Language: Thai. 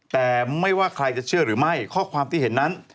แต่ไม่ว่าใครจะเชื่อหรือไม่ข้อความที่เห็นนั้น